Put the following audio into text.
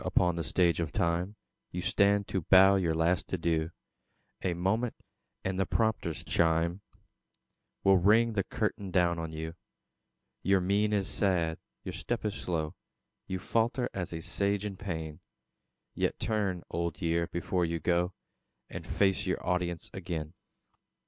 upon the Stage of Time You stand to bow your last adieu; A moment, and the prompter's chime Will ring the curtain down on you. Your mien is sad, your step is slow; You falter as a Sage in pain; Yet turn, Old Year, before you go, And face your audience again.